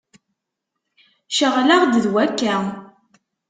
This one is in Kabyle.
Ceɣleɣ-d d wakka.